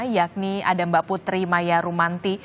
yakni ada mbak putri maya rumanti